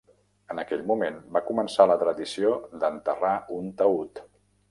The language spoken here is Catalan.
En aquell moment, va començar la tradició d'enterrar un taüt.